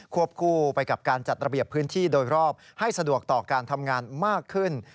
คู่ไปกับการจัดระเบียบพื้นที่โดยรอบให้สะดวกต่อการทำงานมากขึ้น